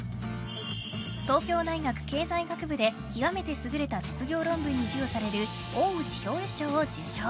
東京大学経済学部で、極めて優れた卒業論文に授与される大内兵衛賞を受賞。